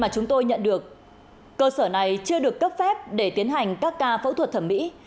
chúng tôi nhận được cơ sở này chưa được cấp phép để tiến hành các ca phẫu thuật thẩm mỹ